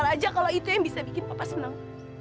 lihat saja kalau itu yang bisa bikin papa senang